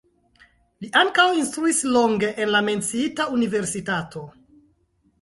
Li ankaŭ instruis longe en la menciita universitato.